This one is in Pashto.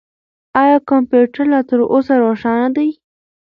آیا کمپیوټر لا تر اوسه روښانه دی؟